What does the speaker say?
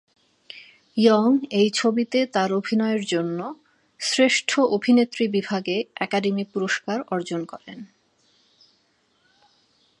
Young এই ছবিতে তার অভিনয়ের জন্য শ্রেষ্ঠ অভিনেত্রী বিভাগে একাডেমি পুরস্কার অর্জন করেন।